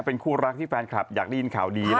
เป็นคู่รักที่แฟนคลับอยากได้ยินข่าวดี